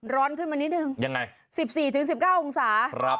ร้อนขึ้นมานิดนึงยังไง๑๔๑๙องศา